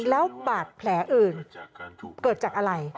แล้วบาดแผลอื่นเกิดจากอะไร